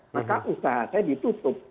maka usaha saya ditutup